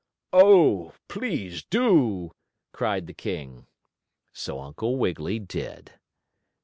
"Oh, please do!" cried the king. So Uncle Wiggily did.